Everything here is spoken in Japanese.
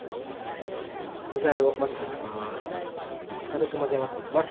具材を混ぜていきます。